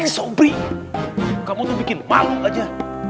sopri kamu tuh bikin malu aja